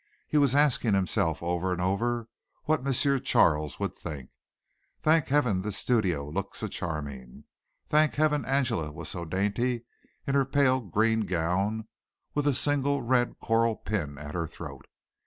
He was asking himself over and over what M. Charles would think. Thank heaven this studio looked so charming! Thank heaven Angela was so dainty in her pale green gown with a single red coral pin at her throat.